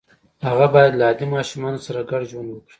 هغه باید له عادي ماشومانو سره ګډ ژوند وکړي